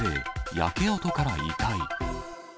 焼け跡から遺体。